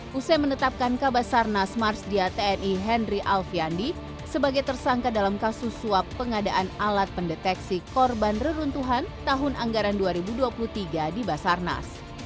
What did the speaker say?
pusat menetapkan kabasarnas marsdia tni henry alfiandi sebagai tersangka dalam kasus suap pengadaan alat pendeteksi korban reruntuhan tahun anggaran dua ribu dua puluh tiga di basarnas